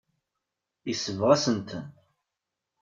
Yesbeɣ-asen-ten.